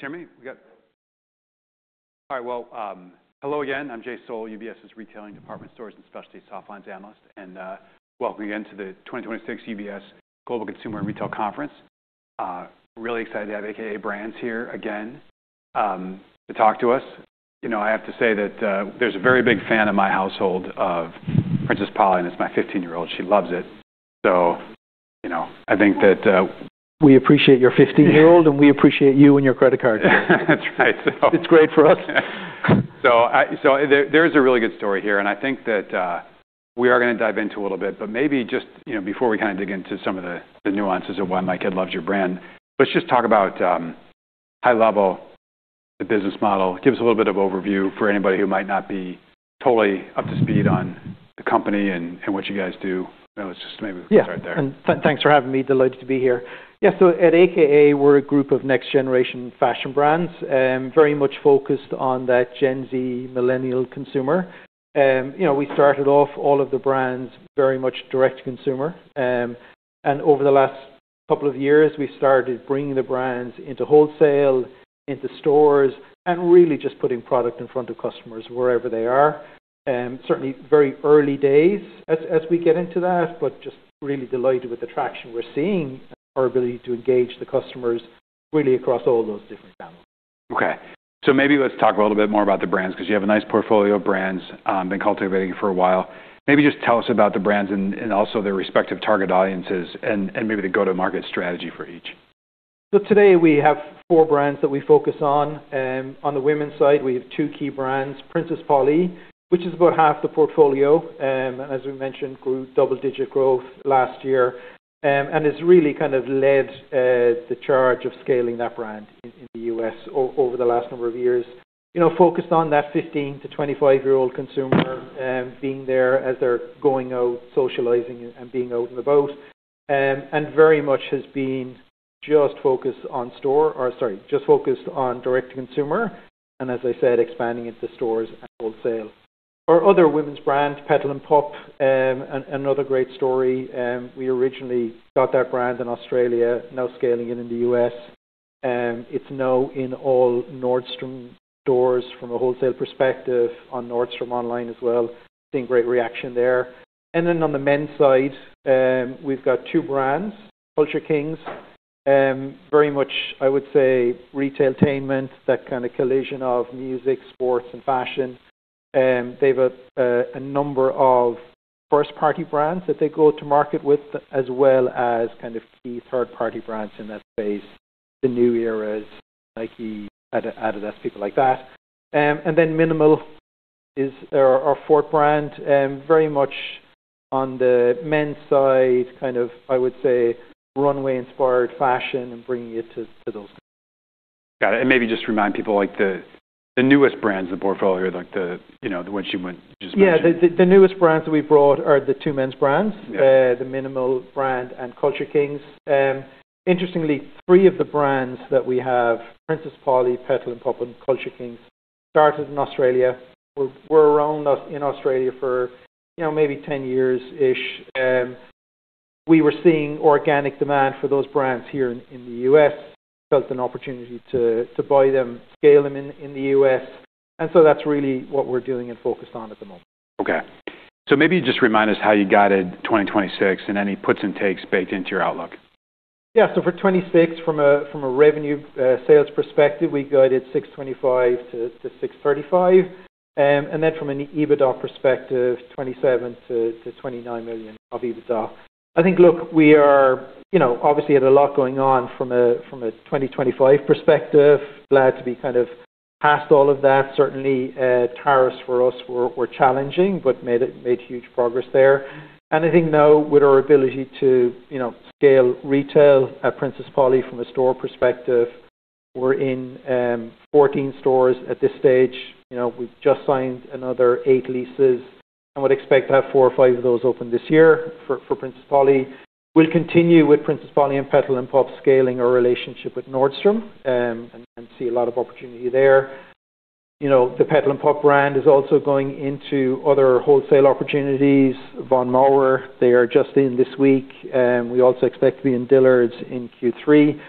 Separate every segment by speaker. Speaker 1: Can you hear me? All right. Well, hello again. I'm Jay Sole, UBS's Retailing Department Stores and Specialty Softlines Analyst, and welcome again to the 2026 UBS Global Consumer and Retail Conference. Really excited to have a.k.a. Brands here again to talk to us. You know, I have to say that there's a very big fan in my household of Princess Polly, and it's my 15-year-old. She loves it. You know, I think that
Speaker 2: We appreciate your 15-year-old, and we appreciate you and your credit card.
Speaker 1: That's right.
Speaker 2: It's great for us.
Speaker 1: There is a really good story here, and I think that we are gonna dive into a little bit, but maybe just, you know, before we kinda dig into some of the nuances of why my kid loves your brand, let's just talk about high level, the business model. Give us a little bit of overview for anybody who might not be totally up to speed on the company, and what you guys do. You know, let's just maybe start there.
Speaker 2: Yeah. Thanks for having me. Delighted to be here. Yes at a.k.a., we're a group of next generation fashion brands, very much focused on that Gen Z Millennial consumer. You know, we started off all of the brands very much direct to consumer. Over the last couple of years, we started bringing the brands into wholesale, into stores, and really just putting product in front of customers wherever they are. Certainly very early days as we get into that, but just really delighted with the traction we're seeing and our ability to engage the customers really across all those different channels.
Speaker 1: Okay. Maybe let's talk a little bit more about the brands, 'cause you have a nice portfolio of brands, been cultivating for a while. Maybe just tell us about the brands and also their respective target audiences and maybe the go-to-market strategy for each.
Speaker 2: Today we have four brands that we focus on. On the women's side, we have two key brands, Princess Polly, which is about half the portfolio, as we mentioned, grew double-digit growth last year. And has really kind of led the charge of scaling that brand in the U.S. over the last number of years. You know, focused on that 15-25-year-old consumer, being there as they're going out, socializing and being out and about. And very much has been just focused on direct to consumer, and as I said, expanding into stores and wholesale. Our other women's brand, Petal & Pup, another great story. We originally got that brand in Australia, now scaling it in the U.S. It's now in all Nordstrom stores from a wholesale perspective, on Nordstrom online as well. Seeing great reaction there. On the men's side, we've got two brands, Culture Kings, very much, I would say, retailtainment, that kind of collision of music, sports and fashion. They've a number of first-party brands that they go to market with, as well as kind of key third-party brands in that space. The New Era, NIKE, adidas, people like that. mnml is our fourth brand. Very much on the men's side, kind of, I would say, runway-inspired fashion and bringing it to those.
Speaker 1: Got it. Maybe just remind people, like the newest brands in the portfolio, like, you know, the one you just mentioned.
Speaker 2: Yeah. The newest brands that we brought are the two men's brands. The mnml brand and Culture Kings. Interestingly, three of the brands that we have, Princess Polly, Petal & Pup, and Culture Kings, started in Australia. We're around in Australia for, you know, maybe 10 years-ish. We were seeing organic demand for those brands here in the U.S., felt an opportunity to buy them, scale them in the US, and so that's really what we're doing and focused on at the moment.
Speaker 1: Okay. Maybe just remind us how you guided 2026, and any puts and takes baked into your outlook?
Speaker 2: For 2026, from a revenue sales perspective, we guided $625 million-$635 million. From an EBITDA perspective, $27 million-$29 million of EBITDA. I think, look, we are. You know, obviously had a lot going on from a 2025 perspective. Glad to be kind of past all of that. Certainly, tariffs for us were challenging, but made huge progress there. I think now with our ability to, you know, scale retail at Princess Polly from a store perspective, we're in 14 stores at this stage. You know, we've just signed another eight leases and would expect to have four or five of those open this year for Princess Polly. We'll continue with Princess Polly and Petal & Pup scaling our relationship with Nordstrom, and see a lot of opportunity there. You know, the Petal & Pup brand is also going into other wholesale opportunities. Von Maur, they are just in this week. We also expect to be in Dillard's in Q3.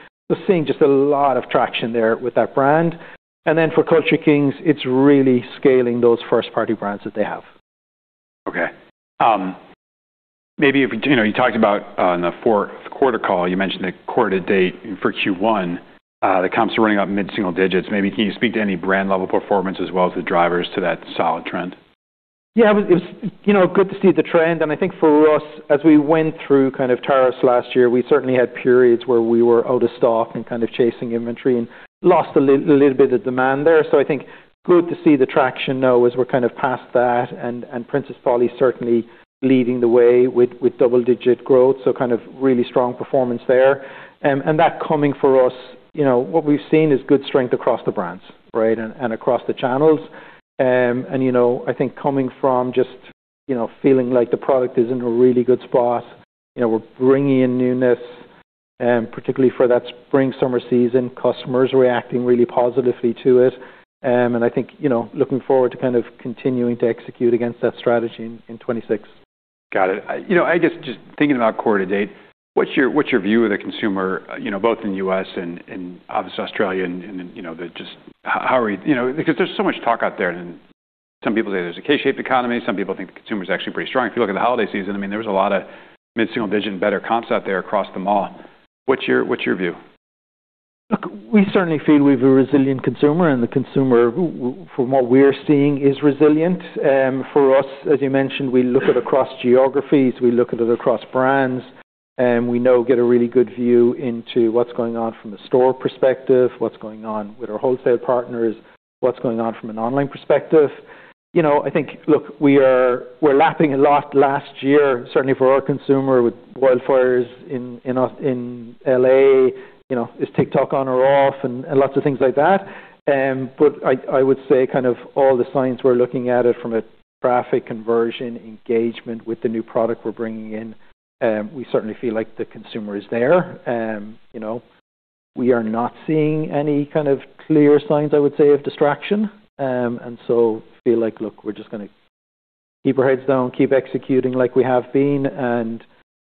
Speaker 2: Seeing just a lot of traction there with that brand. For Culture Kings, it's really scaling those first-party brands that they have.
Speaker 1: Okay. Maybe if, you know, you talked about on the fourth quarter call, you mentioned the quarter to date for Q1, the comps are running up mid-single digits. Maybe can you speak to any brand level performance as well as the drivers to that solid trend?
Speaker 2: Yeah, it was you know good to see the trend. I think for us, as we went through kind of tariffs last year, we certainly had periods where we were out of stock and kind of chasing inventory and lost a little bit of demand there. I think good to see the traction now as we're kind of past that and Princess Polly certainly leading the way with double-digit growth. Kind of really strong performance there. That coming for us, you know, what we've seen is good strength across the brands, right? And across the channels. And you know, I think coming from just you know feeling like the product is in a really good spot, you know, we're bringing in newness, particularly for that spring/summer season. Customers are reacting really positively to it. I think, you know, looking forward to kind of continuing to execute against that strategy in 2026.
Speaker 1: Got it. You know, I guess just thinking about quarter to date, what's your view of the consumer, you know, both in U.S. and obviously Australia, because there's so much talk out there and some people say there's a K-shaped economy, some people think the consumer is actually pretty strong. If you look at the holiday season, I mean, there was a lot of mid-single digit better comps out there across the mall. What's your view?
Speaker 2: Look, we certainly feel we have a resilient consumer, and the consumer, from what we're seeing, is resilient. For us, as you mentioned, we look at across geographies, we look at it across brands, and we now get a really good view into what's going on from a store perspective, what's going on with our wholesale partners, what's going on from an online perspective. You know, I think, look, we're lapping a lot last year, certainly for our consumer with wildfires in L.A., you know, is TikTok on or off and lots of things like that. I would say kind of all the signs we're looking at it from a traffic conversion engagement with the new product we're bringing in, we certainly feel like the consumer is there. You know, we are not seeing any kind of clear signs, I would say, of distraction. Feel like, look, we're just gonna keep our heads down, keep executing like we have been and,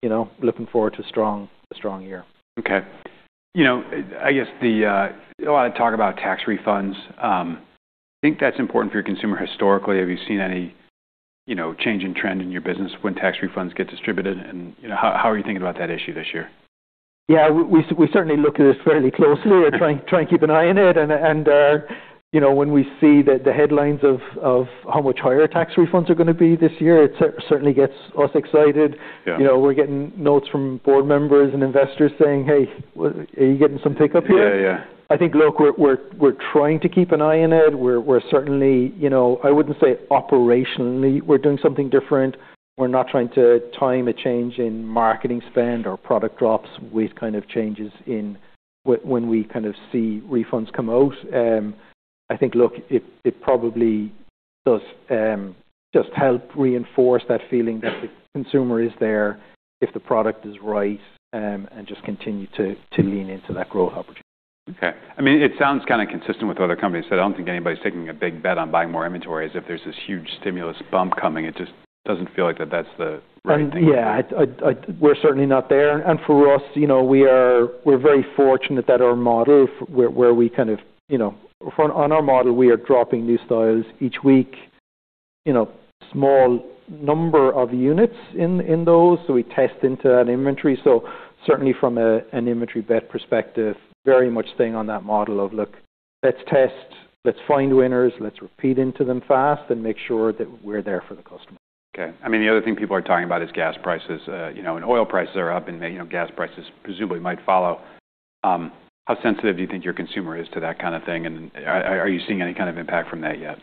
Speaker 2: you know, looking forward to a strong year.
Speaker 1: Okay. You know, I guess a lot of talk about tax refunds. Think that's important for your consumer historically. Have you seen any, you know, change in trend in your business when tax refunds get distributed? You know, how are you thinking about that issue this year?
Speaker 2: Yeah. We certainly look at this fairly closely and try and keep an eye on it. You know, when we see the headlines of how much higher tax refunds are gonna be this year, it certainly gets us excited. You know, we're getting notes from board members and investors saying, "Hey, are you getting some pickup here?
Speaker 1: Yeah. Yeah.
Speaker 2: I think look, we're trying to keep an eye on it. We're certainly, you know. I wouldn't say operationally we're doing something different. We're not trying to time a change in marketing spend or product drops with kind of changes in when we kind of see refunds come out. I think, look, it probably does just help reinforce that feeling that the consumer is there if the product is right, and just continue to lean into that growth opportunity.
Speaker 1: Okay. I mean, it sounds kinda consistent with what other companies said. I don't think anybody's taking a big bet on buying more inventory as if there's this huge stimulus bump coming. It just doesn't feel like that that's the right thing.
Speaker 2: Yeah. We're certainly not there. For us, you know, we're very fortunate that our model where we kind of, you know, on our model we are dropping new styles each week, you know, small number of units in those. We test into that inventory. Certainly from an inventory bet perspective, very much staying on that model of, look, let's test, let's find winners, let's repeat into them fast and make sure that we're there for the customer.
Speaker 1: I mean, the other thing people are talking about is gas prices. You know, and oil prices are up and maybe, you know, gas prices presumably might follow. How sensitive do you think your consumer is to that kind of thing? Are you seeing any kind of impact from that yet?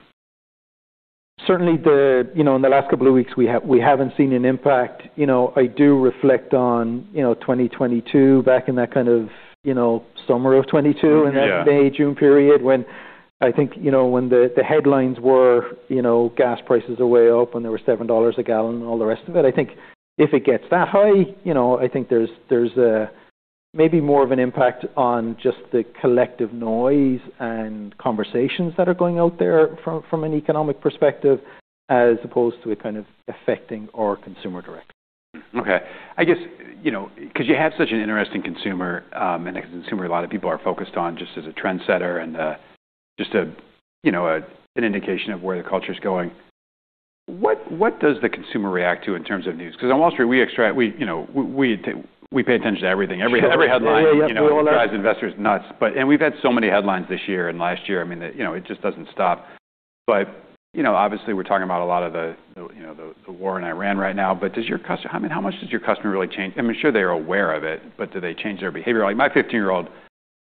Speaker 2: Certainly the. You know, in the last couple of weeks we haven't seen an impact. You know, I do reflect on, you know, 2022 back in that kind of, you know, summer of 2022 in that May, June period when, I think, you know, when the headlines were, you know, gas prices are way up when they were $7 a gallon and all the rest of it. I think if it gets that high, you know, I think there's a maybe more of an impact on just the collective noise and conversations that are going out there from an economic perspective as opposed to it kind of affecting our consumer directly.
Speaker 1: Okay. I guess, you know, 'cause you have such an interesting consumer, and a consumer a lot of people are focused on just as a trendsetter and just you know an indication of where the culture's going. What does the consumer react to in terms of news? 'Cause on Wall Street, we pay attention to everything. Every headline.
Speaker 2: Yeah. We all are.
Speaker 1: You know, it drives investors nuts. We've had so many headlines this year and last year, I mean, that, you know, it just doesn't stop. You know, obviously we're talking about a lot of the war in Iran right now. I mean, how much does your customer really change? I mean, sure they are aware of it, but do they change their behavior? Like, my 15-year-old,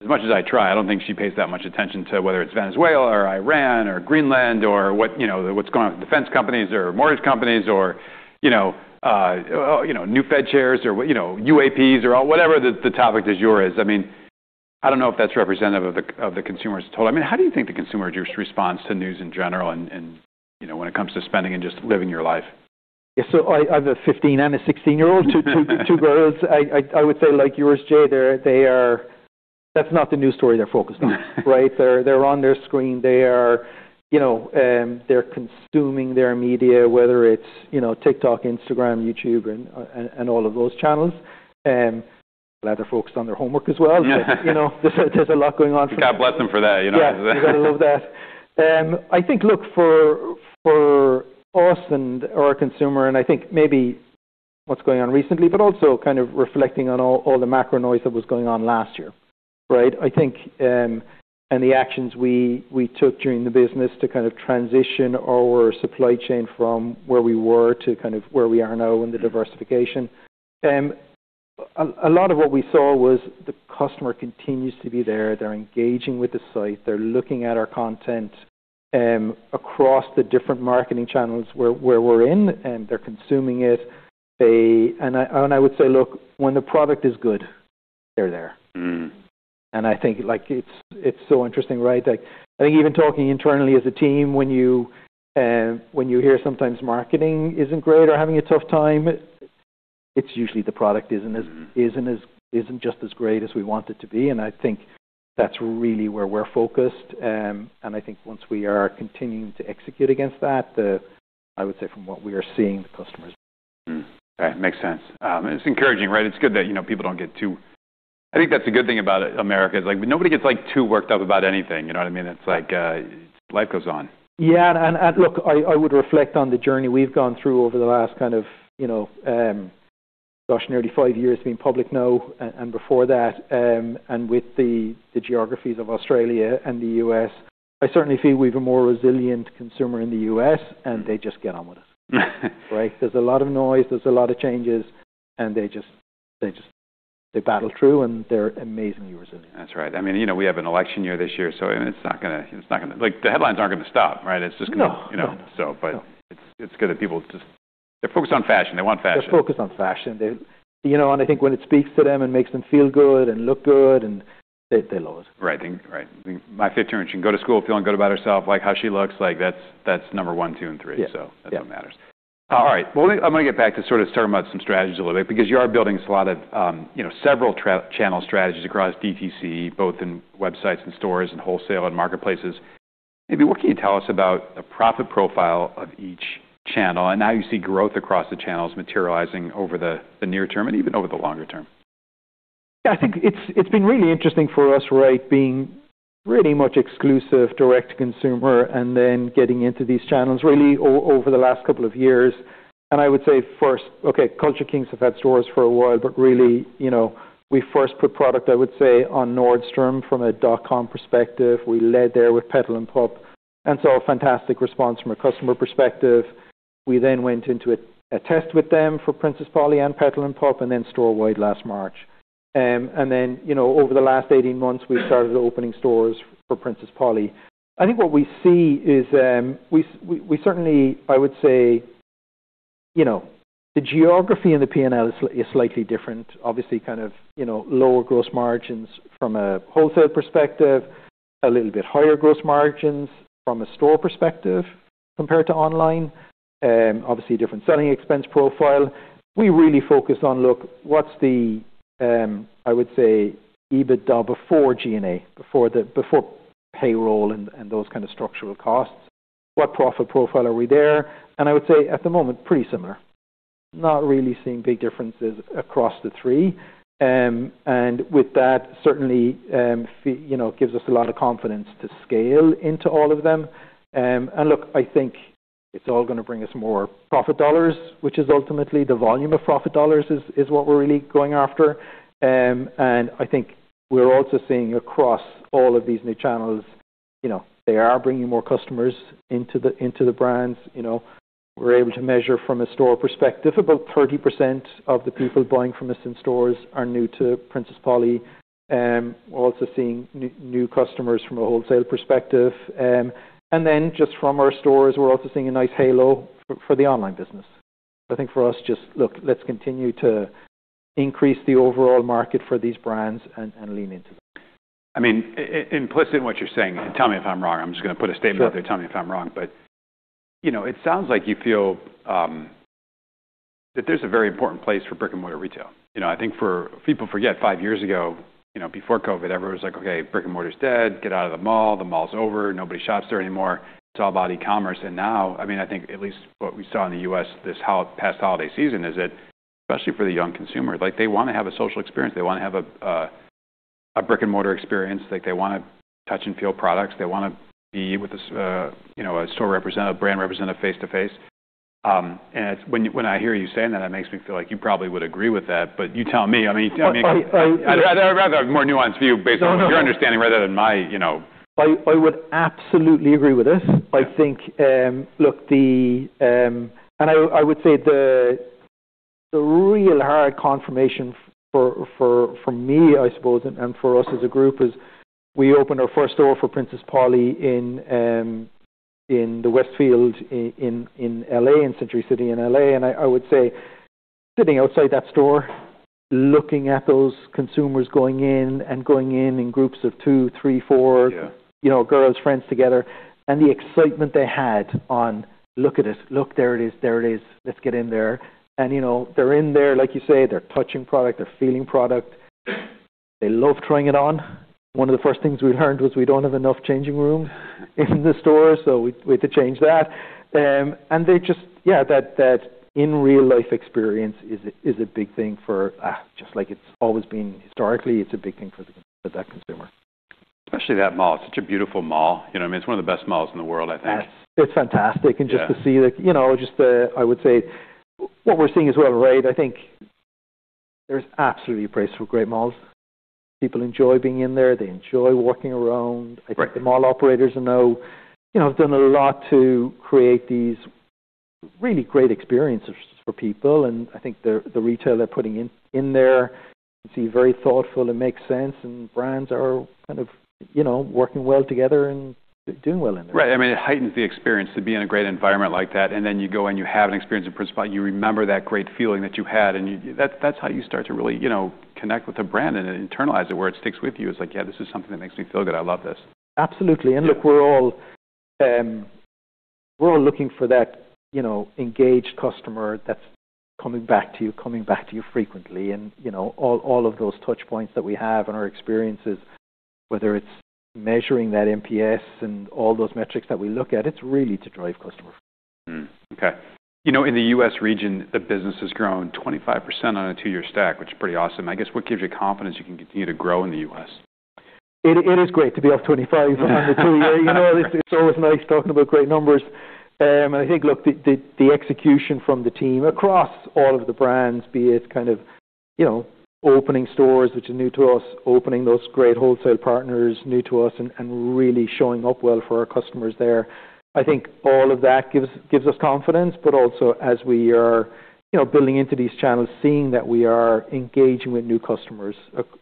Speaker 1: as much as I try, I don't think she pays that much attention to whether it's Venezuela or Iran or Greenland or what, you know, what's going on with defense companies or mortgage companies or, you know, new Fed chairs or, you know, UAPs or whatever the topic du jour is. I mean, I don't know if that's representative of the consumer as a total. I mean, how do you think the consumer just responds to news in general and, you know, when it comes to spending and just living your life?
Speaker 2: Yeah. I have a 15-year and a 16-year-old. Two girls. I would say like yours, Jay, they are. That's not the news story they're focused on, right? They're on their screen. They are, you know, they're consuming their media, whether it's, you know, TikTok, Instagram, YouTube, and all of those channels. Glad they're focused on their homework as well. You know, there's a lot going on for them.
Speaker 1: God bless them for that, you know.
Speaker 2: Yeah. You gotta love that. I think, look, for us and our consumer, and I think maybe what's going on recently, but also kind of reflecting on all the macro noise that was going on last year, right? I think the actions we took during the business to kind of transition our supply chain from where we were to kind of where we are now and the diversification. A lot of what we saw was the customer continues to be there. They're engaging with the site. They're looking at our content across the different marketing channels where we're in, and they're consuming it. I would say, look, when the product is good, they're there. I think, like, it's so interesting, right? Like, I think even talking internally as a team, when you hear sometimes marketing isn't great or having a tough time. It's usually the product isn't just as great as we want it to be, and I think that's really where we're focused. I think once we are continuing to execute against that, I would say from what we are seeing, the customers-
Speaker 1: Makes sense. It's encouraging, right? It's good that, you know, people don't get too I think that's a good thing about America is, like, nobody gets, like, too worked up about anything. You know what I mean? It's like, life goes on.
Speaker 2: Yeah. Look, I would reflect on the journey we've gone through over the last kind of, you know, gosh, nearly five years being public now and before that, and with the geographies of Australia and the U.S. I certainly feel we have a more resilient consumer in the U.S., and they just get on with it. Right? There's a lot of noise, there's a lot of changes, and they just battle through, and they're amazingly resilient.
Speaker 1: That's right. I mean, you know, we have an election year this year, so it's not gonna. Like, the headlines aren't gonna stop, right? You know. It's good that people just. They're focused on fashion. They want fashion.
Speaker 2: They're focused on fashion. You know, I think when it speaks to them and makes them feel good and look good and they love it.
Speaker 1: I think my fifth grader, she can go to school feeling good about herself, like how she looks, like that's number one, two, and three. That's what matters. All right. Well, I'm gonna get back to sort of talking about some strategies a little bit because you are building a lot of, you know, several channel strategies across DTC, both in websites and stores and wholesale and marketplaces. Maybe what can you tell us about the profit profile of each channel and how you see growth across the channels materializing over the near term and even over the longer term?
Speaker 2: I think it's been really interesting for us, right, being pretty much exclusive direct-to-consumer and then getting into these channels really over the last couple of years. I would say first, okay, Culture Kings have had stores for a while, but really, you know, we first put product, I would say, on Nordstrom from a dot-com perspective. We led there with Petal & Pup and saw a fantastic response from a customer perspective. We then went into a test with them for Princess Polly and Petal & Pup and then store-wide last March. You know, over the last 18 months, we started opening stores for Princess Polly. I think what we see is, we certainly, I would say, you know, the geography in the P&L is slightly different. Obviously, kind of, you know, lower gross margins from a wholesale perspective, a little bit higher gross margins from a store perspective compared to online. Obviously, different selling expense profile. We really focus on, look, what's the, I would say, EBITDA before G&A, before payroll and those kind of structural costs. What profit profile are we there? I would say at the moment, pretty similar. Not really seeing big differences across the three. With that, certainly, you know, gives us a lot of confidence to scale into all of them. Look, I think it's all gonna bring us more profit dollars, which is ultimately the volume of profit dollars is what we're really going after. I think we're also seeing across all of these new channels, you know, they are bringing more customers into the brands. You know, we're able to measure from a store perspective, about 30% of the people buying from us in stores are new to Princess Polly. We're also seeing new customers from a wholesale perspective. Just from our stores, we're also seeing a nice halo for the online business. I think for us, just look, let's continue to increase the overall market for these brands and lean into them.
Speaker 1: I mean, implicit in what you're saying, and tell me if I'm wrong, I'm just gonna put a statement out there. Tell me if I'm wrong, but, you know, it sounds like you feel that there's a very important place for brick-and-mortar retail. You know, I think people forget five years ago, you know, before COVID, everyone was like, "Okay, brick and mortar is dead. Get out of the mall. The mall's over. Nobody shops there anymore. It's all about e-commerce." Now, I mean, I think at least what we saw in the U.S. this past holiday season is that especially for the young consumer, like they wanna have a social experience. They wanna have a brick-and-mortar experience. Like they wanna touch and feel products. They wanna be with you know, a store representative, brand representative face-to-face. When I hear you saying that, it makes me feel like you probably would agree with that, but you tell me. I mean. I'd rather have a more nuanced view based on your understanding rather than my, you know.
Speaker 2: I would absolutely agree with it. I would say the real hard confirmation for me, I suppose, and for us as a group is we opened our first store for Princess Polly in the Westfield in L.A., in Century City in L.A., and I would say sitting outside that store, looking at those consumers going in in groups of two, three, four. You know, girls, friends together, and the excitement they had on, "Look at it. Look, there it is. There it is. Let's get in there." You know, they're in there, like you say, they're touching product, they're feeling product. They love trying it on. One of the first things we learned was we don't have enough changing room in the store, so we had to change that. They just, that in real life experience is a big thing for, just like it's always been historically, it's a big thing for that consumer.
Speaker 1: Especially that mall. It's such a beautiful mall. You know what I mean? It's one of the best malls in the world, I think.
Speaker 2: It's fantastic. You know, I would say what we're seeing as well, right? I think there's absolutely a place for great malls. People enjoy being in there. They enjoy walking around. I think the mall operators now, you know, have done a lot to create these really great experiences for people, and I think the retail they're putting in there can seem very thoughtful and makes sense, and brands are kind of, you know, working well together and doing well in there.
Speaker 1: Right. I mean, it heightens the experience to be in a great environment like that, and then you go and you have an experience with Princess Polly. You remember that great feeling that you had, and you. That's how you start to really, you know, connect with the brand and internalize it, where it sticks with you. It's like, "Yeah, this is something that makes me feel good. I love this.
Speaker 2: Absolutely. Look, we're all looking for that, you know, engaged customer that's coming back to you frequently. You know, all of those touch points that we have and our experiences, whether it's measuring that NPS and all those metrics that we look at, it's really to drive customer.
Speaker 1: You know, in the U.S. region, the business has grown 25% on a two-year stack, which is pretty awesome. I guess what gives you confidence you can continue to grow in the U.S.?
Speaker 2: It is great to be up 25% on the two-year. You know, it's always nice talking about great numbers. I think the execution from the team across all of the brands, be it kind of, you know, opening stores which are new to us, opening those great wholesale partners new to us and really showing up well for our customers there. I think all of that gives us confidence. Also as we are, you know, building into these channels, seeing that we are engaging with new customers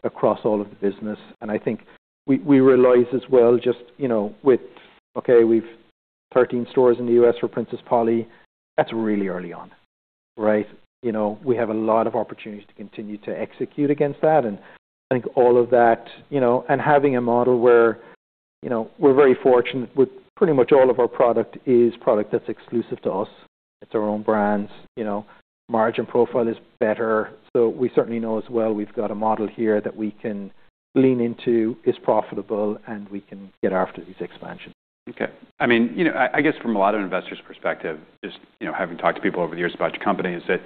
Speaker 2: across all of the business. I think we realize as well just, you know, we've 13 stores in the U.S. for Princess Polly. That's really early on, right? You know, we have a lot of opportunities to continue to execute against that. I think all of that, you know, and having a model where, you know, we're very fortunate with pretty much all of our product is product that's exclusive to us. It's our own brands, you know. Margin profile is better. We certainly know as well, we've got a model here that we can lean into, is profitable, and we can get after these expansions.
Speaker 1: Okay. I mean, you know, I guess from a lot of investors' perspective, just, you know, having talked to people over the years about your company is that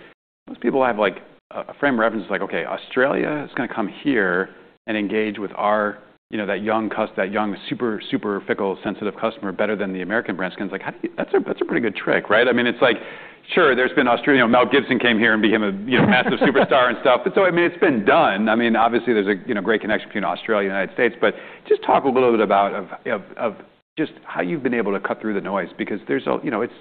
Speaker 1: most people have like a frame of reference like, okay, Australia is gonna come here and engage with our, you know, that young super fickle, sensitive customer better than the American brands can. It's like, how. That's a pretty good trick, right? I mean, it's like, sure, there's been Australian. You know, Mel Gibson came here and became, you know, massive superstar and stuff. I mean, it's been done. I mean, obviously, there's a, you know, great connection between Australia and United States. Just talk a little bit about just how you've been able to cut through the noise. You know, it's.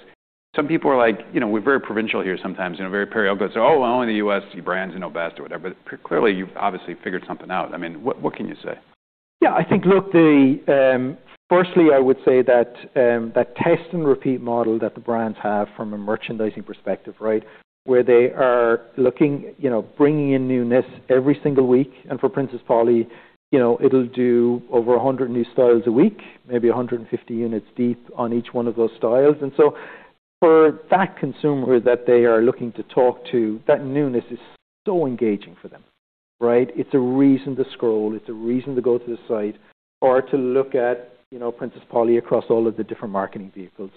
Speaker 1: Some people are like, you know, we're very provincial here sometimes, you know, very parochial. Oh, well, in the U.S., your brand's, you know, best or whatever. Clearly, you've obviously figured something out. I mean, what can you say?
Speaker 2: Yeah. I think, look, the... Firstly, I would say that test and repeat model that the brands have from a merchandising perspective, right? Where they are looking, you know, bringing in newness every single week. For Princess Polly, you know, it'll do over 100 new styles a week, maybe 150 units deep on each one of those styles. For that consumer that they are looking to talk to, that newness is so engaging for them, right? It's a reason to scroll. It's a reason to go to the site or to look at, you know, Princess Polly across all of the different marketing vehicles.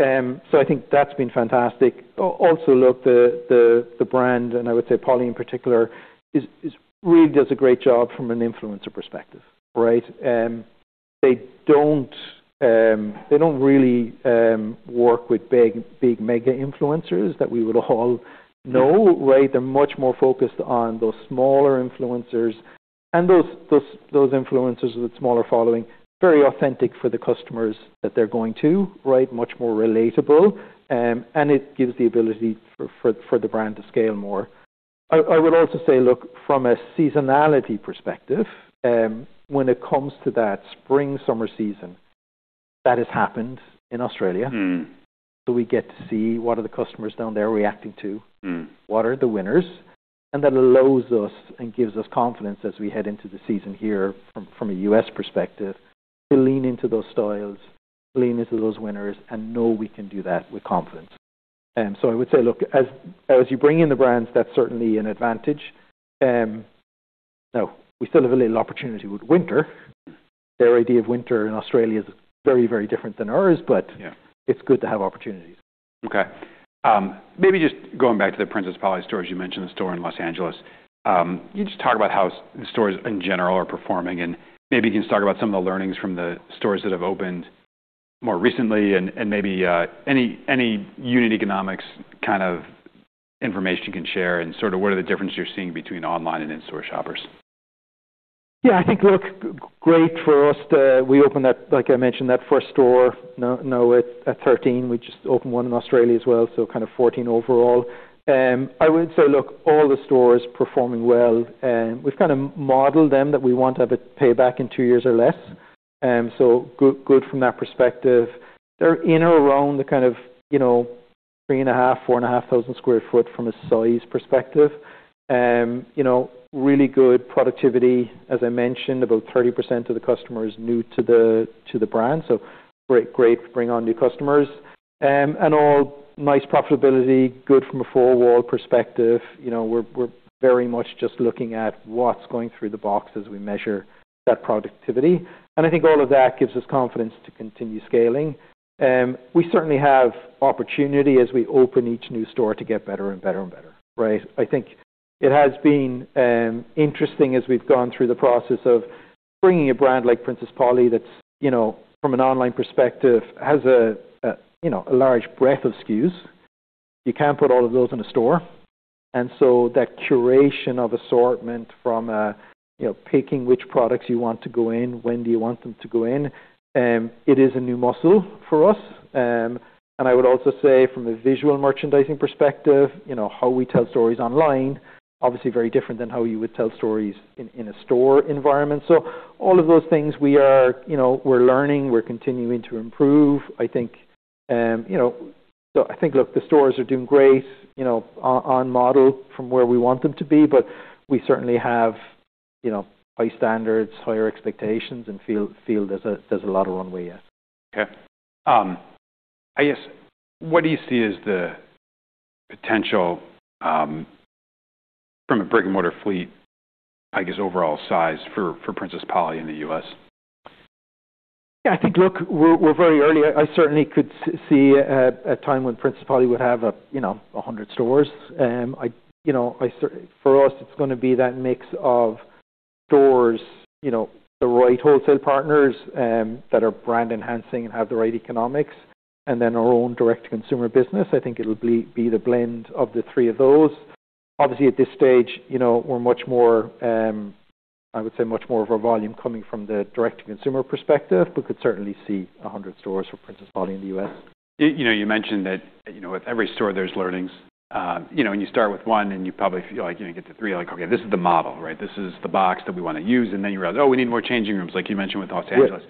Speaker 2: I think that's been fantastic. Also, look, the brand, and I would say Polly in particular, really does a great job from an influencer perspective, right? They don't really work with big mega influencers that we would all know, right? They're much more focused on those smaller influencers and those influencers with smaller following, very authentic for the customers that they're going to, right? Much more relatable. It gives the ability for the brand to scale more. I would also say, look, from a seasonality perspective, when it comes to that spring, summer season, that has happened in Australia. We get to see what are the customers down there reacting to what are the winners, and that allows us and gives us confidence as we head into the season here from a U.S. perspective to lean into those styles, lean into those winners, and know we can do that with confidence. I would say, look, as you bring in the brands, that's certainly an advantage. Now, we still have a little opportunity with winter. Their idea of winter in Australia is very, very different than ours, but It's good to have opportunities.
Speaker 1: Okay. Maybe just going back to the Princess Polly stores, you mentioned the store in Los Angeles. Can you just talk about how the stores in general are performing, and maybe you can just talk about some of the learnings from the stores that have opened more recently and maybe any unit economics kind of information you can share and sort of what are the differences you're seeing between online and in-store shoppers?
Speaker 2: Yeah. We opened that, like I mentioned, that first store. Now we're at 13. We just opened one in Australia as well, so kind of 14 overall. I would say, look, all the stores performing well. We've kind of modeled them that we want to have it pay back in two years or less. So good from that perspective. They're in or around the kind of, you know, 3,500-4,500 sq ft from a size perspective. You know, really good productivity. As I mentioned, about 30% of the customer is new to the brand, so great to bring on new customers. All nice profitability, good from a four-wall perspective. You know, we're very much just looking at what's going through the box as we measure that productivity. I think all of that gives us confidence to continue scaling. We certainly have opportunity as we open each new store to get better and better and better, right? I think it has been interesting as we've gone through the process of bringing a brand like Princess Polly that's, you know, from an online perspective, has a you know a large breadth of SKUs. You can't put all of those in a store. That curation of assortment from you know picking which products you want to go in, when do you want them to go in, it is a new muscle for us. I would also say from a visual merchandising perspective, you know, how we tell stories online, obviously very different than how you would tell stories in a store environment. All of those things we are. You know, we're learning, we're continuing to improve. I think, you know. I think, look, the stores are doing great, you know, on model from where we want them to be, but we certainly have. You know, high standards, higher expectations, and feel there's a lot of runway, yeah.
Speaker 1: Okay. I guess what do you see as the potential from a brick-and-mortar fleet, I guess, overall size for Princess Polly in the U.S.?
Speaker 2: Yeah, I think, look, we're very early. I certainly could see a time when Princess Polly would have a 100 stores, you know. You know, for us, it's gonna be that mix of stores, you know, the right wholesale partners that are brand enhancing and have the right economics, and then our own direct-to-consumer business. I think it'll be the blend of the three of those. Obviously, at this stage, you know, we're much more, I would say much more of our volume coming from the direct-to-consumer perspective. We could certainly see a 100 stores for Princess Polly in the U.S.
Speaker 1: You know, you mentioned that, you know, with every store there's learnings. You know, when you start with one and you probably feel like you get to three, like, okay, this is the model, right? This is the box that we wanna use, and then you realize, oh, we need more changing rooms, like you mentioned with Los Angeles.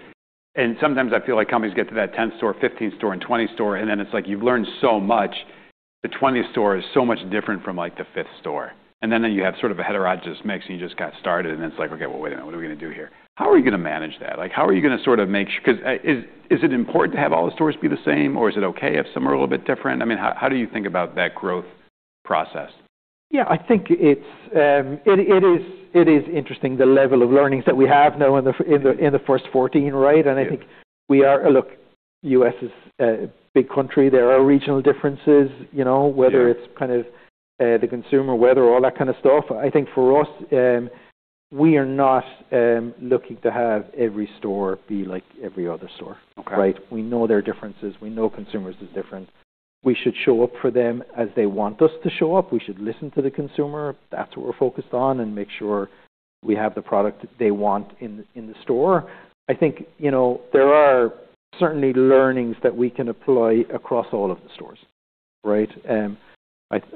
Speaker 1: Sometimes I feel like companies get to that 10th store, 15th store, and 20th store, and then it's like you've learned so much, the 20th store is so much different from, like, the 5th store. You have sort of a heterogeneous mix, and you just got started, and it's like, okay, well, wait a minute, what are we gonna do here? How are you gonna manage that? Like, how are you gonna sort of make sure, 'cause is it important to have all the stores be the same or is it okay if some are a little bit different? I mean, how do you think about that growth process?
Speaker 2: Yeah. I think it's interesting, the level of learnings that we have now in the In the first 14, right?
Speaker 1: Yeah.
Speaker 2: I think we are. Look, U.S. is a big country. There are regional differences, you know. Whether it's kind of, the consumer, weather, all that kind of stuff. I think for us, we are not looking to have every store be like every other store. Right? We know there are differences. We know consumers is different. We should show up for them as they want us to show up. We should listen to the consumer. That's what we're focused on, and make sure we have the product they want in the store. I think, you know, there are certainly learnings that we can apply across all of the stores, right?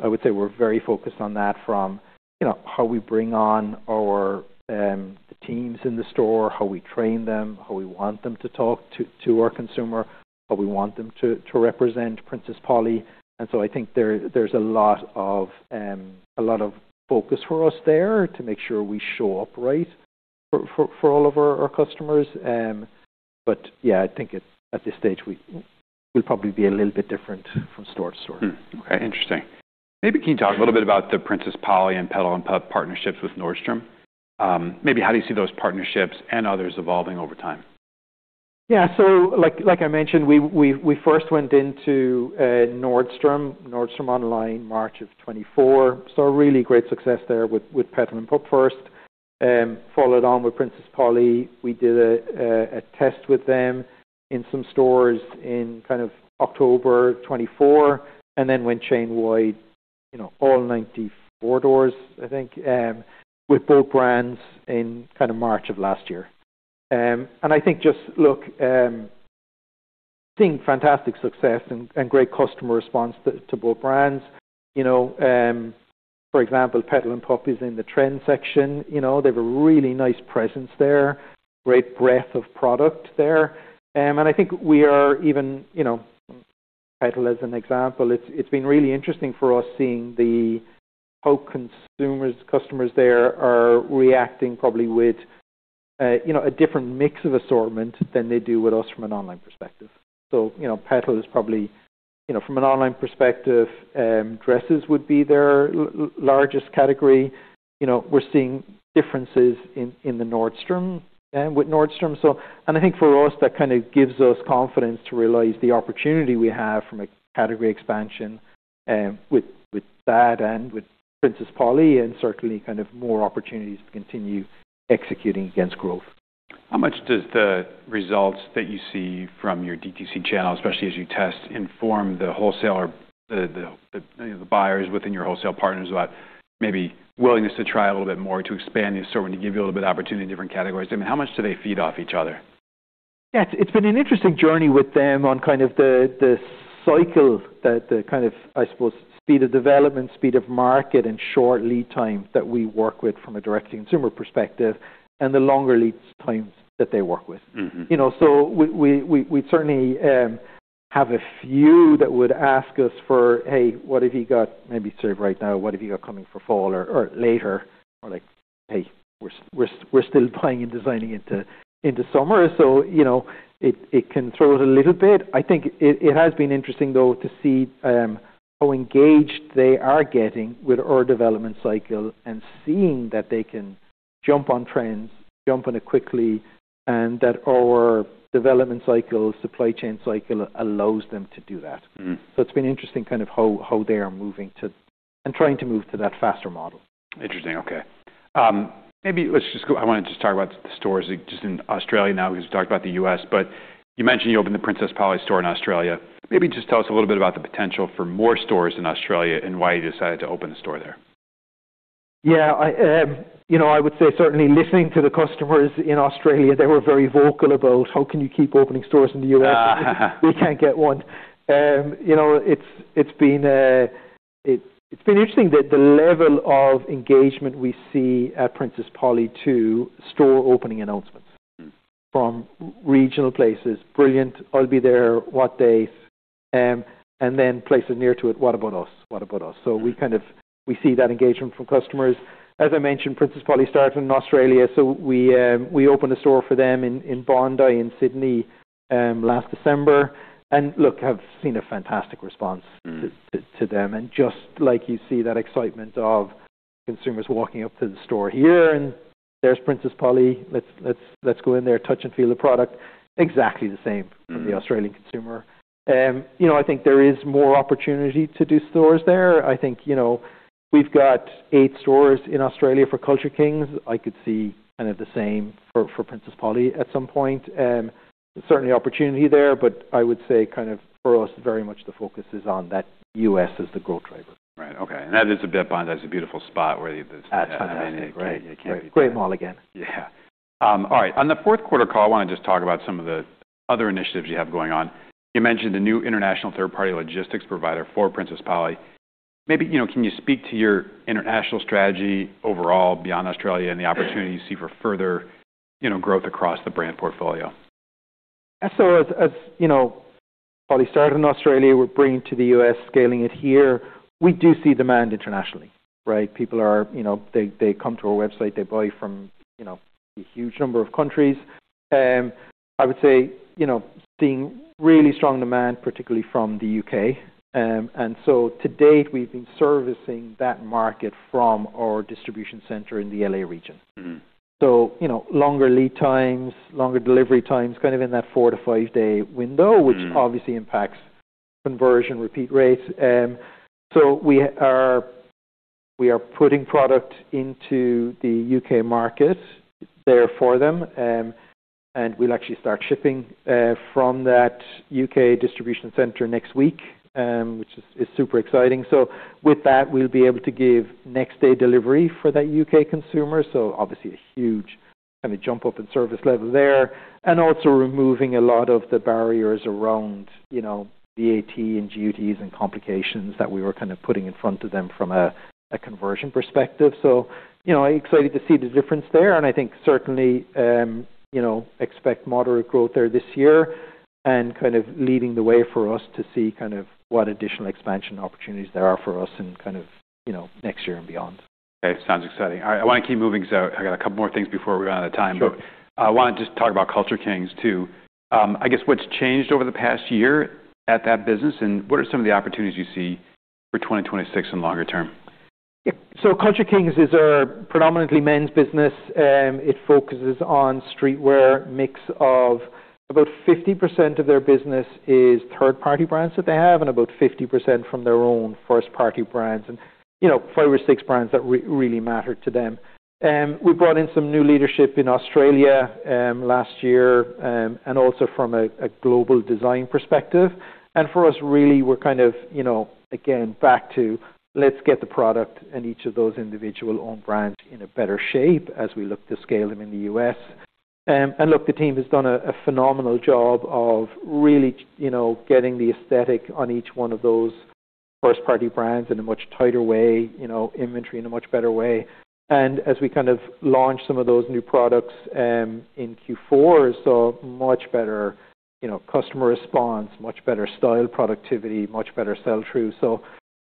Speaker 2: I would say we're very focused on that from, you know, how we bring on our teams in the store, how we train them, how we want them to talk to our consumer, how we want them to represent Princess Polly. I think there's a lot of focus for us there to make sure we show up right for all of our customers. Yeah, I think it at this stage, we'll probably be a little bit different from store to store.
Speaker 1: Okay, interesting. Maybe can you talk a little bit about the Princess Polly and Petal & Pup partnerships with Nordstrom? Maybe how do you see those partnerships and others evolving over time?
Speaker 2: Yeah. Like I mentioned, we first went into Nordstrom online, March of 2024. Saw really great success there with Petal & Pup first. Followed on with Princess Polly. We did a test with them in some stores in kind of October 2024, and then went chain-wide, you know, all 94 doors, I think, with both brands in kind of March of last year. I think just, look, seeing fantastic success and great customer response to both brands. You know, for example, Petal & Pup is in the trend section. You know, they have a really nice presence there, great breadth of product there. I think we are even, you know, Petal as an example, it's been really interesting for us seeing the how consumers, customers there are reacting probably with, you know, a different mix of assortment than they do with us from an online perspective. You know, Petal is probably you know, from an online perspective, dresses would be their largest category. You know, we're seeing differences in the Nordstrom with Nordstrom. I think for us, that kinda gives us confidence to realize the opportunity we have from a category expansion with that and with Princess Polly, and certainly kind of more opportunities to continue executing against growth.
Speaker 1: How much does the results that you see from your DTC channel, especially as you test, inform the wholesaler, you know, the buyers within your wholesale partners about maybe willingness to try a little bit more to expand the assortment and give you a little bit of opportunity in different categories? I mean, how much do they feed off each other?
Speaker 2: Yeah. It's been an interesting journey with them on kind of the kind of, I suppose, speed of development, speed of market, and short lead times that we work with from a direct-to-consumer perspective, and the longer lead times that they work with. You know, we certainly have a few that would ask us for, "Hey, what have you got?" maybe sort of right now, "What have you got coming for fall or later?" Or like, "Hey, we're still planning and designing into summer." You know, it can throw it a little bit. I think it has been interesting, though, to see how engaged they are getting with our development cycle and seeing that they can jump on trends, jump on it quickly, and that our development cycle, supply chain cycle allows them to do that. It's been interesting kind of how they are moving to and trying to move to that faster model.
Speaker 1: Interesting. Okay. Maybe I wanna just talk about the stores just in Australia now, because we talked about the U.S. You mentioned you opened the Princess Polly store in Australia. Maybe just tell us a little bit about the potential for more stores in Australia and why you decided to open a store there.
Speaker 2: Yeah. I you know, I would say certainly listening to the customers in Australia, they were very vocal about, "How can you keep opening stores in the U.S. we can't get one?" You know, it's been interesting the level of engagement we see at Princess Polly to store opening announcements. From regional places. "Brilliant. I'll be there. What date?" Then places near to it, what about us? We kind of see that engagement from customers. As I mentioned, Princess Polly started in Australia, so we opened a store for them in Bondi in Sydney last December. Look, have seen a fantastic response to them. Just like you see that excitement of consumers walking up to the store here, and there's Princess Polly. Let's go in there, touch and feel the product. Exactly the same for the Australian consumer. You know, I think there is more opportunity to do stores there. I think, you know, we've got eight stores in Australia for Culture Kings. I could see kind of the same for Princess Polly at some point. Certainly opportunity there, but I would say kind of for us, very much the focus is on that U.S. as the growth driver.
Speaker 1: Right. Okay. That is a bit. Bondi is a beautiful spot where you
Speaker 2: It's fantastic. Great mall again.
Speaker 1: Yeah. All right. On the fourth quarter call, I wanna just talk about some of the other initiatives you have going on. You mentioned the new international third-party logistics provider for Princess Polly. Maybe, you know, can you speak to your international strategy overall beyond Australia and the opportunity you see for further, you know, growth across the brand portfolio?
Speaker 2: As you know, Princess Polly started in Australia, we're bringing to the U.S., scaling it here. We do see demand internationally, right? You know, they come to our website, they buy from, you know, a huge number of countries. I would say, you know, seeing really strong demand, particularly from the U.K. To date, we've been servicing that market from our distribution center in the L.A. region. You know, longer lead times, longer delivery times, kind of in that four to five day window. Which obviously impacts conversion, repeat rates. We are putting product into the U.K. market there for them. We'll actually start shipping from that U.K. distribution center next week, which is super exciting. With that, we'll be able to give next day delivery for that U.K. consumer. Obviously a huge kind of jump up in service level there. Also removing a lot of the barriers around, you know, VAT and duties and complications that we were kind of putting in front of them from a conversion perspective. You know, excited to see the difference there, and I think certainly, you know, expect moderate growth there this year and kind of leading the way for us to see kind of what additional expansion opportunities there are for us in kind of, you know, next year and beyond.
Speaker 1: Okay. Sounds exciting. All right. I wanna keep moving because I got a couple more things before we run out of time. I wanna just talk about Culture Kings too. I guess what's changed over the past year at that business, and what are some of the opportunities you see for 2026 and longer term?
Speaker 2: Yeah. Culture Kings is our predominantly men's business. It focuses on streetwear mix of about 50% of their business is third-party brands that they have and about 50% from their own first-party brands. You know, five or six brands that really matter to them. We brought in some new leadership in Australia last year and also from a global design perspective. For us, really, we're kind of, you know, again, back to let's get the product and each of those individual own brands in a better shape as we look to scale them in the U.S. Look, the team has done a phenomenal job of really, you know, getting the aesthetic on each one of those first-party brands in a much tighter way, you know, inventory in a much better way. As we kind of launch some of those new products in Q4, saw much better, you know, customer response, much better style productivity, much better sell-through.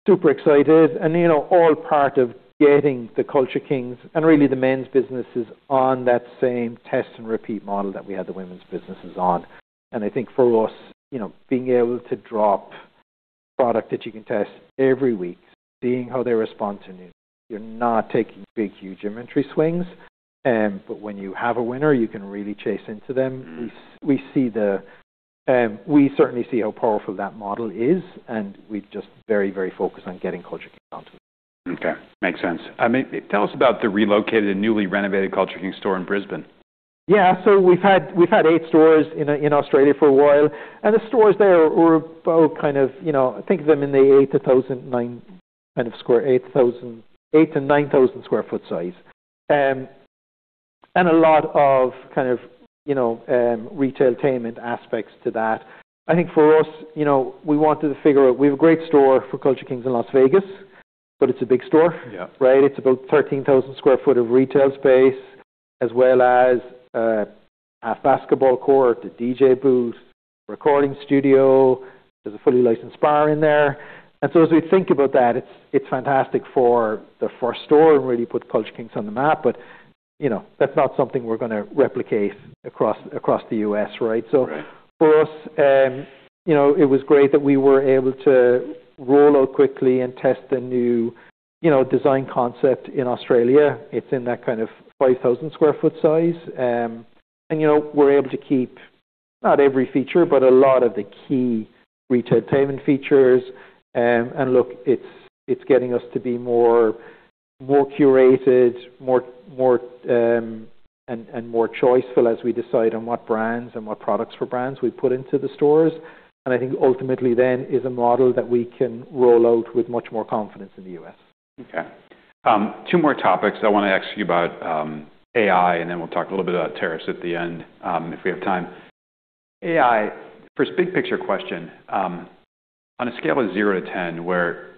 Speaker 2: Super excited and, you know, all part of getting the Culture Kings and really the men's businesses on that same test and repeat model that we had the women's businesses on. I think for us, you know, being able to drop product that you can test every week, seeing how they respond to news, you're not taking big, huge inventory swings. But when you have a winner, you can really chase into them. We certainly see how powerful that model is, and we're just very, very focused on getting Culture Kings onto them.
Speaker 1: Okay. Makes sense. I mean, tell us about the relocated and newly renovated Culture Kings store in Brisbane.
Speaker 2: Yeah. We've had eight stores in Australia for a while, and the stores there were about kind of, you know, I think of them in the 8,000-9,000 sq ft size, and a lot of kind of, you know, retailtainment aspects to that. I think for us, you know, we wanted to figure out. We have a great store for Culture Kings in Las Vegas, but it's a big store. Right? It's about 13,000 sq ft of retail space, as well as a basketball court, a DJ booth, recording studio. There's a fully licensed bar in there. As we think about that, it's fantastic for the first store and really put Culture Kings on the map. You know, that's not something we're gonna replicate across the U.S., right? For us, you know, it was great that we were able to roll out quickly and test a new, you know, design concept in Australia. It's in that kind of 5,000 sq ft size. you know, we're able to keep not every feature, but a lot of the key retailtainment features. look, it's getting us to be more and more choiceful as we decide on what brands and what products for brands we put into the stores. I think ultimately then is a model that we can roll out with much more confidence in the U.S.
Speaker 1: Okay. Two more topics. I wanna ask you about AI, and then we'll talk a little bit about tariffs at the end, if we have time. AI, first big picture question. On a scale of 0 to 10, where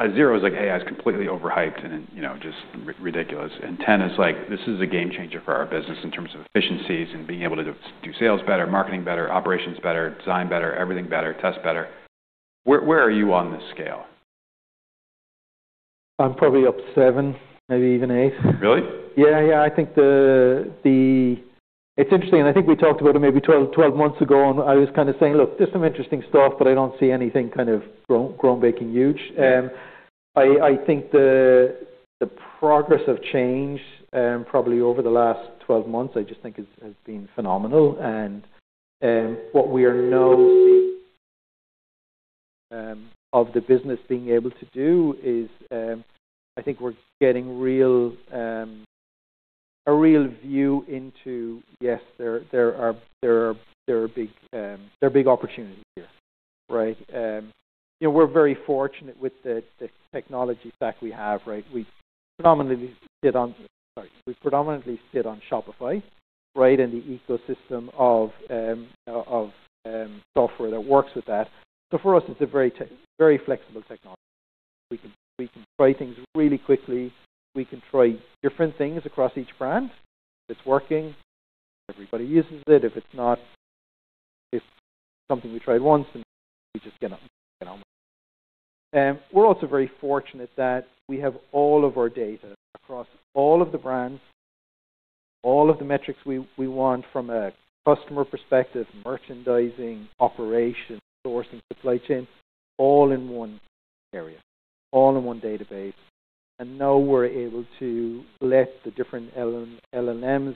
Speaker 1: a zero is like, hey, AI is completely overhyped and, you know, just ridiculous. Ten is like, this is a game changer for our business in terms of efficiencies and being able to do sales better, marketing better, operations better, design better, everything better, test better. Where are you on this scale?
Speaker 2: I'm probably up seven, maybe even eight.
Speaker 1: Really?
Speaker 2: Yeah, yeah. I think it's interesting. I think we talked about it maybe 12 months ago, and I was kinda saying, "Look, there's some interesting stuff, but I don't see anything kind of ground-breaking huge." I think the progress of change probably over the last 12 months has been phenomenal. What we are now seeing of the business being able to do is, I think we're getting a real view into, yes, there are big opportunities here, right? You know, we're very fortunate with the technology stack we have, right? We predominantly sit on Shopify, right? In the ecosystem of software that works with that. For us, it's a very flexible technology. We can try things really quickly. We can try different things across each brand. If it's working, everybody uses it. If it's not, if something we tried once and we just get on with it. We're also very fortunate that we have all of our data across all of the brands, all of the metrics we want from a customer perspective, merchandising, operations, sourcing, supply chain, all in one area, all in one database. Now we're able to let the different LLMs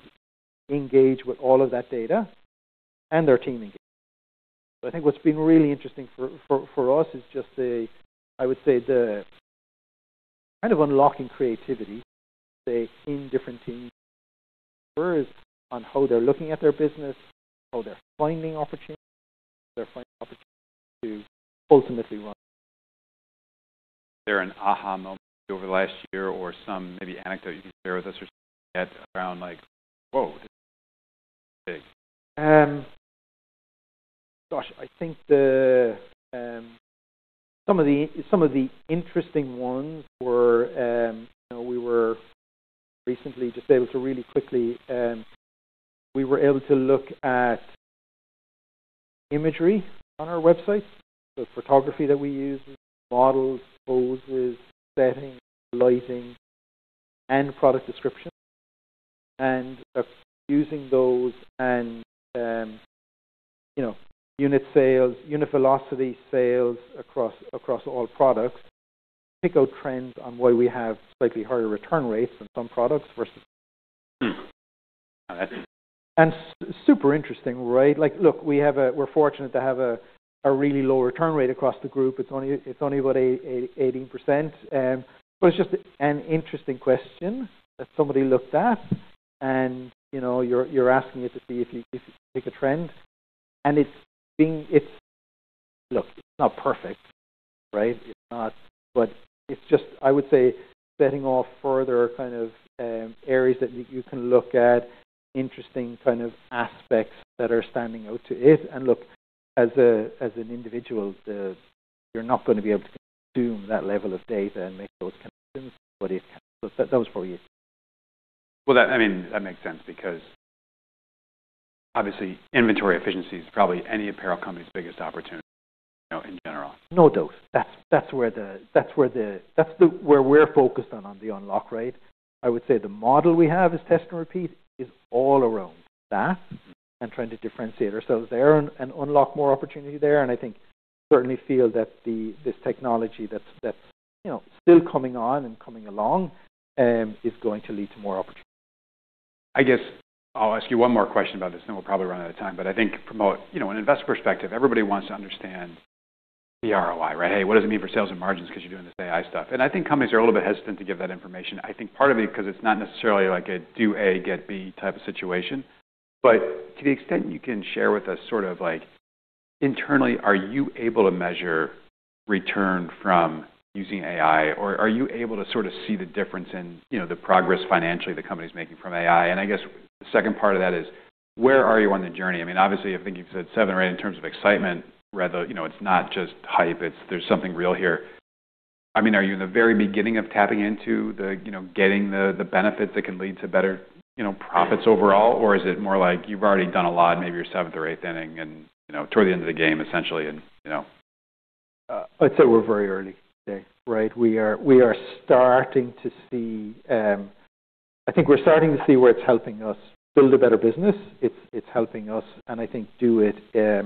Speaker 2: engage with all of that data and their team engage. I think what's been really interesting for us is just I would say the kind of unlocking creativity say in different teams for us on how they're looking at their business, how they're finding opportunities to ultimately run.
Speaker 1: Is there an aha moment over the last year or some maybe anecdote you can share with us or something like that around like, "Whoa, this is big"?
Speaker 2: I think some of the interesting ones were, you know, we were recently just able to really quickly look at imagery on our website, the photography that we use, models, poses, settings, lighting, and product description. Using those and, you know, unit sales, unit velocity sales across all products to pick out trends on why we have slightly higher return rates on some products versus-
Speaker 1: Got it.
Speaker 2: Super interesting, right? Like, look, we're fortunate to have a really low return rate across the group. It's only about 18%. But it's just an interesting question that somebody looked at and, you know, you're asking it to see if you can pick a trend. It's being. It's. Look, it's not perfect, right? It's not. But it's just, I would say, setting off further kind of areas that you can look at, interesting kind of aspects that are standing out to it. Look, as an individual, you're not gonna be able to consume that level of data and make those kind of assumptions, but it can. That was probably it.
Speaker 1: Well, I mean, that makes sense because obviously inventory efficiency is probably any apparel company's biggest opportunity, you know, in general.
Speaker 2: No doubt. That's where we're focused on the unlock, right? I would say the model we have is test and repeat is all around that and trying to differentiate ourselves there and unlock more opportunity there. I think we certainly feel that this technology that's you know still coming on and coming along is going to lead to more opportunities.
Speaker 1: I guess I'll ask you one more question about this, then we'll probably run out of time. I think from a, you know, an investor perspective, everybody wants to understand the ROI, right? Hey, what does it mean for sales and margins 'cause you're doing this AI stuff? I think companies are a little bit hesitant to give that information. I think part of it because it's not necessarily like a do A, get B type of situation. To the extent you can share with us sort of like internally, are you able to measure return from using AI or are you able to sort of see the difference in, you know, the progress financially the company's making from AI? I guess the second part of that is where are you on the journey? I mean, obviously, I think you've said seven, right, in terms of excitement. Rather, you know, it's not just hype. It's there's something real here. I mean, are you in the very beginning of tapping into the, you know, getting the benefits that can lead to better, you know, profits overall, or is it more like you've already done a lot? Maybe you're seventh or eighth inning and, you know, toward the end of the game essentially and, you know.
Speaker 2: I'd say we're very early today, right? We are starting to see where it's helping us build a better business. It's helping us, and I think do it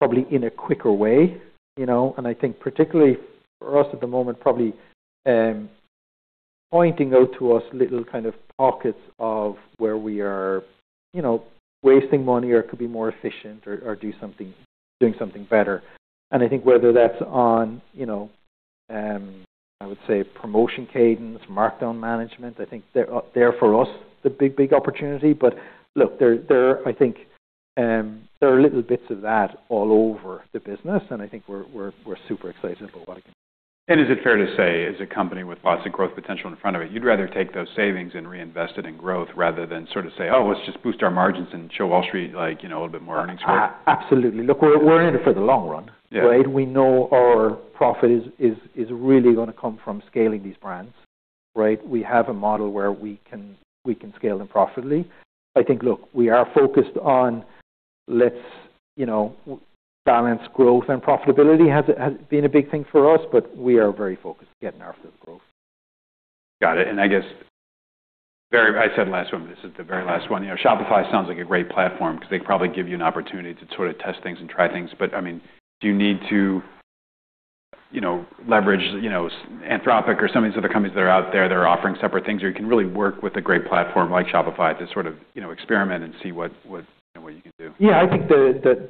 Speaker 2: probably in a quicker way, you know. I think particularly for us at the moment, probably pointing out to us little kind of pockets of where we are, you know, wasting money or could be more efficient or doing something better. I think whether that's on, you know, I would say promotion cadence, markdown management, I think they're for us the big opportunity. Look, there are, I think, there are little bits of that all over the business, and I think we're super excited about what I can-
Speaker 1: Is it fair to say, as a company with lots of growth potential in front of it, you'd rather take those savings and reinvest it in growth rather than sort of say, "Oh, let's just boost our margins and show Wall Street like, you know, a little bit more earnings growth"?
Speaker 2: Absolutely. Look, we're in it for the long run. Right? We know our profit is really gonna come from scaling these brands, right? We have a model where we can scale them profitably. I think, look, we are focused on let's, you know, balance growth and profitability has been a big thing for us, but we are very focused on getting our fair growth.
Speaker 1: Got it. I guess very I said last one, but this is the very last one. You know, Shopify sounds like a great platform because they probably give you an opportunity to sort of test things and try things. But I mean, do you need to, you know, leverage, you know, Anthropic or some of these other companies that are out there that are offering separate things, or you can really work with a great platform like Shopify to sort of, you know, experiment and see what, you know, what you can do?
Speaker 2: Yeah. I think that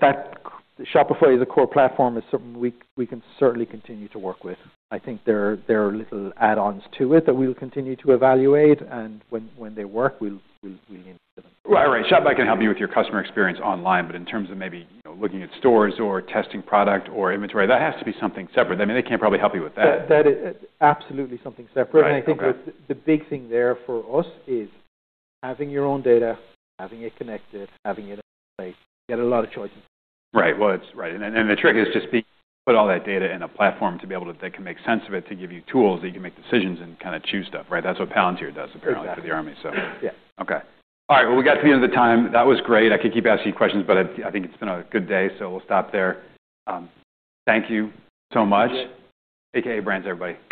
Speaker 2: Shopify as a core platform is something we can certainly continue to work with. I think there are little add-ons to it that we'll continue to evaluate, and when they work, we'll integrate them.
Speaker 1: Right. Shopify can help you with your customer experience online, but in terms of maybe, you know, looking at stores or testing product or inventory, that has to be something separate. I mean, they can't probably help you with that.
Speaker 2: That is absolutely something separate. I think the big thing there for us is having your own data, having it connected, having it in place. You got a lot of choices.
Speaker 1: right. The trick is just to put all that data in a platform that can make sense of it, to give you tools that you can make decisions and kinda choose stuff, right? That's what Palantir does apparently for the Army, so.
Speaker 2: Yeah.
Speaker 1: Okay. All right. Well, we got to the end of the time. That was great. I could keep asking questions, but I think it's been a good day, so we'll stop there. Thank you so much a.k.a. Brands, everybody.